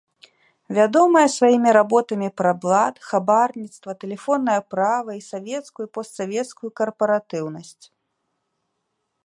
Вядомая сваімі работамі пра блат, хабарніцтва, тэлефоннае права і савецкую і постсавецкую карпаратыўнасць.